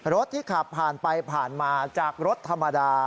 รถที่ขับผ่านไปผ่านมาจากรถธรรมดา